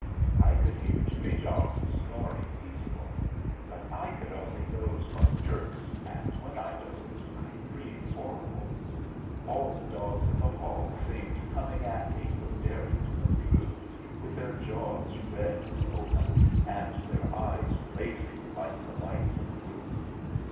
I could hear Jimmy Jocks snoring peaceful, but I could only doze by jerks, and when I dozed I dreamed horrible. All the dogs in the hall seemed coming at me for daring to intrude, with their jaws red and open, and their eyes blazing like the lights in the roof.